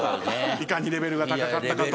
いかにレベルが高かったかと。